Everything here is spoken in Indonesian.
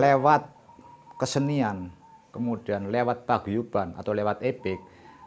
lewat kesenian kemudian lewat pak guyuban atau lewat ebek